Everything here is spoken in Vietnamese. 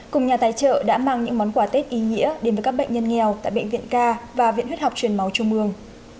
cùng nhà tài trợ đã mang những món quà tết ý nghĩa đến với các bệnh nhân nghèo tại bệnh viện ca và viện huyết học truyền máu trung ương